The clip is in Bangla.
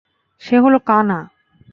সে হলো কানা।